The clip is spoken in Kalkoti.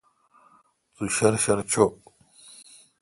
تو شر شر چوں۔